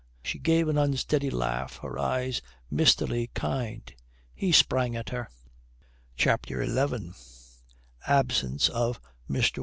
She gave an unsteady laugh, her eyes mistily kind. He sprang at her. CHAPTER XI ABSENCE OF MR.